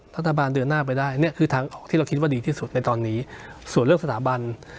รัฐบาลเดินหน้าไปได้เนี่ยคือทางออกที่เราคิดว่าดีที่สุดในตอนนี้ส่วนเรื่องสถาบัน